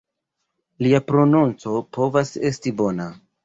Lia prononco povas esti bona.